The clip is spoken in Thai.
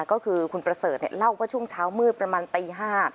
ก็คือคุณประเสริฐเล่าว่าช่วงเช้ามืดประมาณตี๕